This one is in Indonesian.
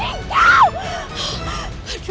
aku benci kau